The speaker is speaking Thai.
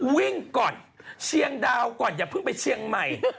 วิ่งก่อนเชียงดาวก่อนอย่าเพิ่งไปเชียงใหม่